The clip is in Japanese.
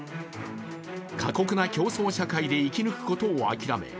過酷な競争社会で生き抜くことを諦め